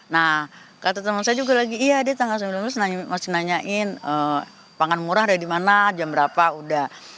nah kata teman saya juga lagi iya dia tanggal sembilan belas masih nanyain pangan murah dari mana jam berapa udah